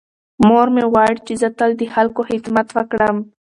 مور مې غواړي چې زه تل د خلکو خدمت وکړم.